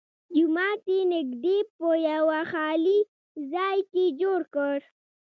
جومات یې نږدې په یوه خالي ځای کې جوړ کړ.